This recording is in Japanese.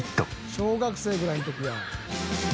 小学生ぐらいの時や。